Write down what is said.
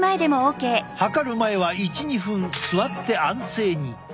測る前は１２分座って安静に。